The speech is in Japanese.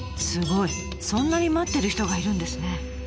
そんなに待ってる人がいるんですね。